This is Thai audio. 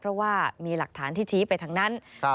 เพราะว่ามีหลักฐานที่ชี้ไปทางนั้น